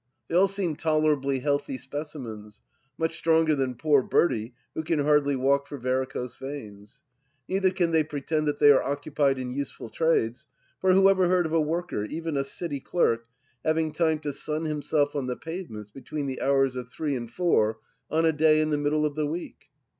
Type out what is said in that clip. They all seem tolerably healthy specimens ; much stronger than poor Bertie, who can hardly walk for varicose veins. Neither can they pretend that they are occupied in useful trades, for whoever heard of a worker, even a City clerk, having time to sun himself on the pavements between the hours of three and four on a day in the middle of the week